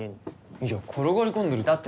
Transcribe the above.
いや転がり込んでるって。